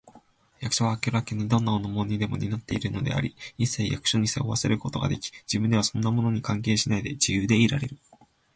役所は明らかにどんな重荷でも担ってくれているのであり、いっさいを役所に背負わせることができ、自分ではそんなものに関係しないで、自由でいられる